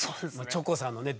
チョコさんのね